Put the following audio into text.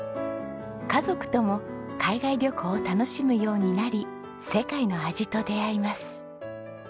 家族とも海外旅行を楽しむようになり世界の味と出会います。